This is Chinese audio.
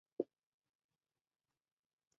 滇木姜子为樟科木姜子属下的一个种。